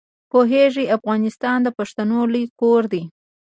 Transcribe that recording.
پوهېږې افغانستان د پښتنو لوی کور دی.